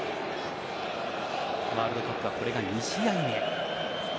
ワールドカップはこれが２試合目。